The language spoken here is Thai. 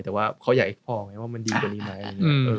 แต่ว่าเขาอยากอีกพอว่ามันดีต่อนี้ไหม